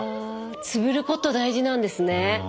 つぶること大事なんですね。